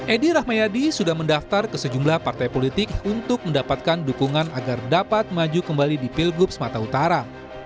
edi rahmayadi sudah mendaftar ke sejumlah partai politik untuk mendapatkan dukungan agar dapat maju kembali di pilgub sumatera utara